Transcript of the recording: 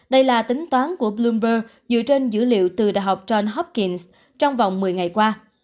đây là tính toán của bloomberg dựa trên dữ liệu từ đh john hopkins trong vòng một mươi ngày qua